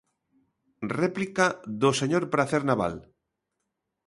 Réplica do señor Pracer Nabal.